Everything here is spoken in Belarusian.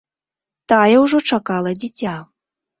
Тая ўжо чакала дзіця.